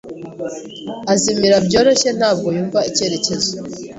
Azimira byoroshye. Ntabwo yumva icyerekezo.